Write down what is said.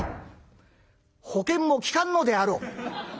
保険も利かぬのであろう」。